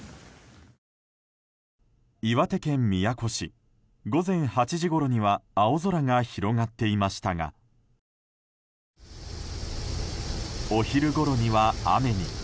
岩手県宮古市、午前８時ごろには青空が広がっていましたがお昼ごろには雨に。